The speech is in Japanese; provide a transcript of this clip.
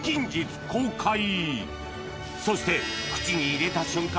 そして口に入れた瞬間